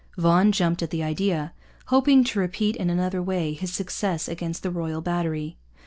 Vaughan jumped at the idea, hoping to repeat in another way his success against the Royal Battery.